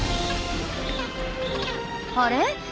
あれ？